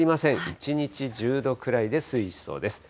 一日、１０度くらいで推移しそうです。